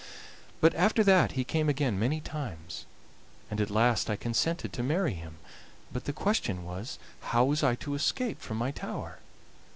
But after that he came again many times and at last I consented to marry him, but the question was how was I to escape from my tower.